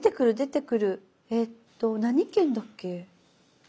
えっと何県だっけ？